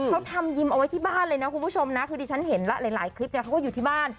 เขาทำยิมเอาไว้ที่บ้านเลยนะคุณผู้ชมนะคือดิฉันเห็นแล้วหลายคลิปเนี่ยเขาก็อยู่ที่บ้าน